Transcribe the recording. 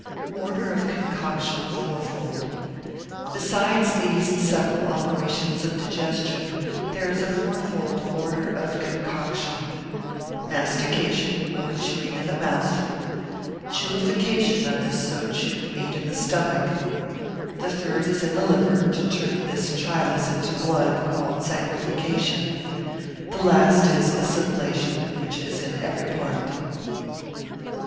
Order of Concoction fourfold.] Besides these three several operations of digestion, there is a fourfold order of concoction:—mastication, or chewing in the mouth; chilification of this so chewed meat in the stomach; the third is in the liver, to turn this chylus into blood, called sanguification; the last is assimilation, which is in every part.